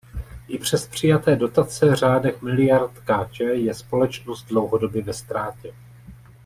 I přes přijaté dotace řádech miliard Kč je společnost dlouhodobě ve ztrátě.